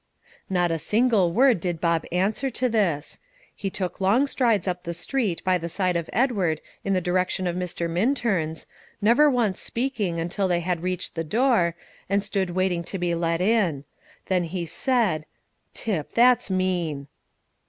Not a single word did Bob answer to this; he took long strides up the street by the side of Edward in the direction of Mr. Mintern's, never once speaking until they had reached the door, and stood waiting to be let in; then he said, "Tip, that's mean."